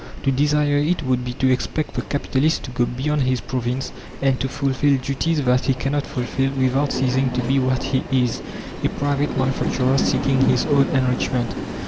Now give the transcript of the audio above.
To desire it would be to expect the capitalist to go beyond his province and to fulfil duties that he cannot fulfil without ceasing to be what he is a private manufacturer seeking his own enrichment.